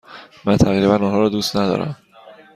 من تقریبا آنها را دوست ندارم.